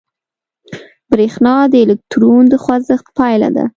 برېښنا د الکترون د خوځښت پایله ده.